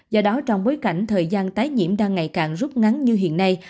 do đó trong bối cảnh thời gian tái nhiễm đang ngày càng rút ngắn như hiện nay